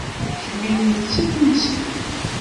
Kemmini d Tatunsit.